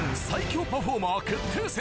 最強パフォーマー決定